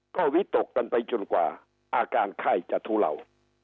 ก็วิตกกันไปจนกว่าอาการไข้จะทุเลา